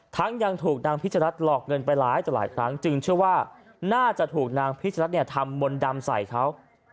ทั้งยังถูกนางพิชรัตหลอกเงินไปหลายครั้งจึงเชื่อว่าน่าจะถูกนางพิชรัตทำบนดำใส่เขา